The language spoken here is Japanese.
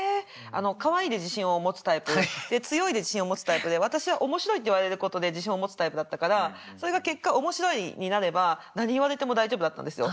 「かわいい」で自信を持つタイプ「強い」で自信を持つタイプで私は「面白い」って言われることで自信を持つタイプだったからそれが結果面白いになれば何言われても大丈夫だったんですよ。